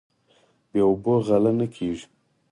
بې اوبو غله نه کیږي.